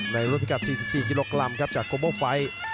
ในรวมพิกัด๔๔กิโลกรัมครับจากโกมโบไฟล์